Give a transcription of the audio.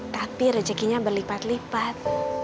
tapi rezekinya berlipat lipat